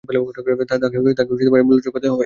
তাকে এর মূল্য চুকাতে হবে।